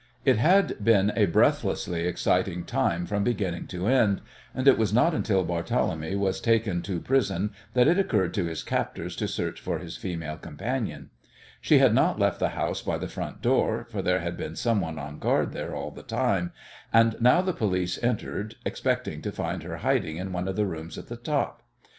It had been a breathlessly exciting time from beginning to end, and it was not until Barthélemy was being taken to prison that it occurred to his captors to search for his female companion. She had not left the house by the front door, for there had been some one on guard there all the time, and now the police entered, expecting to find her hiding in one of the rooms at the top.